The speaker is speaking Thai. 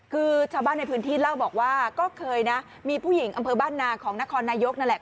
คือชาวบ้านในพื้นที่เล่าบอกว่าก็เคยนะมีผู้หญิงอำเภอบ้านนาของนครนายกนั่นแหละ